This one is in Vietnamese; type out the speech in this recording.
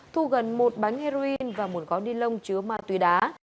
thu gần một bánh heroin và một gói ni lông chứa ma túy đá